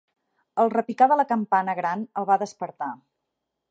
El repicar de la campana gran el va despertar.